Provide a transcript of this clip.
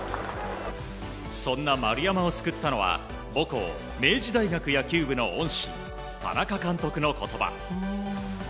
そんな丸山を救ったのは母校・明治大学野球部の恩師田中監督の言葉。